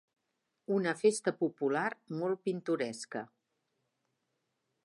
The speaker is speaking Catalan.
Una festa popular molt pintoresca.